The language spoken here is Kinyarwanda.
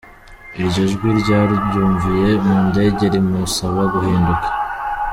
Iryo jwi yaryumviye mu ndege rimusaba guhinduka.